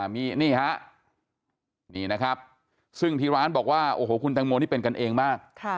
มีนี่ฮะนี่นะครับซึ่งที่ร้านบอกว่าโอ้โหคุณแตงโมนี่เป็นกันเองมาก